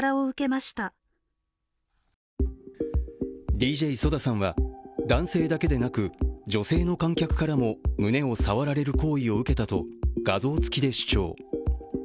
ＤＪＳＯＤＡさんは男性だけでなく、女性の観客からも胸を触られる行為を受けたと画像つきで主張。